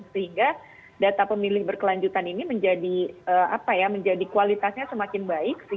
sehingga data pemilih berkelanjutan ini menjadi kualitasnya semakin baik